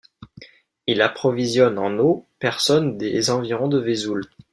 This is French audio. Il approvisionne en eau personnes des environs de Vesoul.